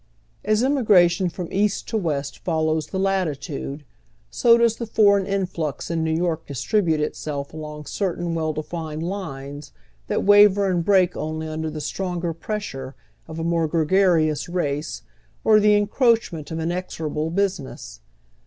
As emigration from east to west follows the latitude, so does the foreign influx in New York distribute itself along certain well defined lines that waver and break only under the stronger pressure of a more gregarious I'ace or the eucroacliments of inexorable hnsiness.